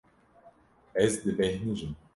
Ez dibêhnijim.